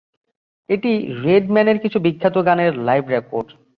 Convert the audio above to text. এটি রেডম্যানের কিছু বিখ্যাত গানের লাইভ রেকর্ড।